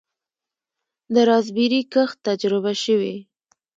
د راسبیري کښت تجربه شوی؟